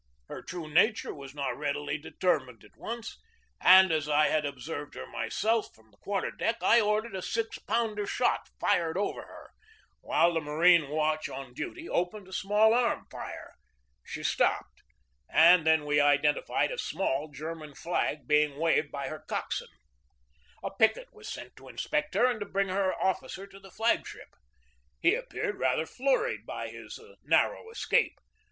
Her true nat ure was not readily determined at once, and, as I had observed her myself from the quarter deck, I ordered a six pounder shot fired over her, while the marine watch on duty opened a small arm fire. She stopped, and then we identified a small German flag being waved by her coxswain. A picket was sent to inspect her and to bring her officer to the flag ship. He appeared rather flurried by his narrow escape.